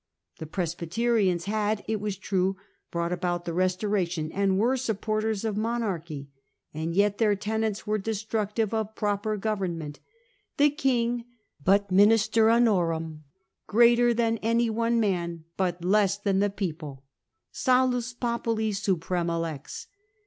The Presbyterians had, it was true> brought about the Restoration, and were supporters of monarchy ; and yet their tenets were destructive of proper government :' The king but " minister bonorum " 5 —* greater than any one man, but less than the people '—' salus populi suprema lex.